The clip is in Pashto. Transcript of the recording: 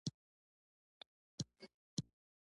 هرات ته ولېږل سي.